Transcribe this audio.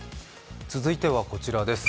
続いてはこちらです。